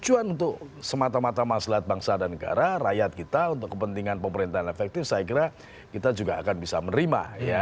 tujuan untuk semata mata masalah bangsa dan negara rakyat kita untuk kepentingan pemerintahan efektif saya kira kita juga akan bisa menerima